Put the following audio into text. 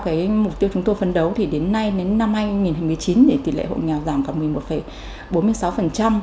theo mục tiêu chúng tôi phấn đấu đến nay đến năm hai nghìn một mươi chín tỷ lệ hộ nghèo giảm còn một mươi một bốn mươi sáu